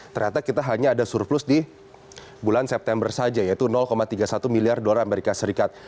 ternyata kita hanya ada surplus di bulan september saja yaitu tiga puluh satu miliar dolar amerika serikat